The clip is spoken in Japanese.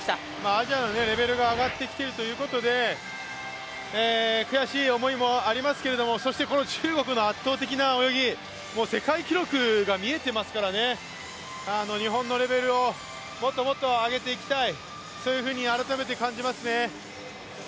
アジアのレベルが上がってきているということで悔しい思いもありますけれども、そしてこの中国の圧倒的な泳ぎ、世界記録が見えていますからね、日本のレベルをもっともっと上げていきたい、そういうふうに改めて感じますね。